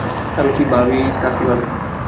আমি কি ভাবি তা কে ভাবে?